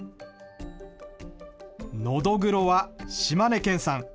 ノドグロは島根県産。